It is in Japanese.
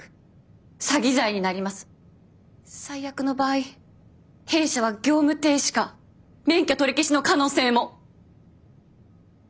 最悪の場合弊社は業務停止か免許取り消しの可能性も！